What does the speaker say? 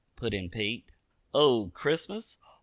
put in Pete. "Oh, Christmas?